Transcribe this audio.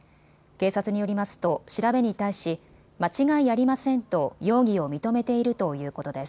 警察によりますと調べに対し、間違いありませんと容疑を認めているということです。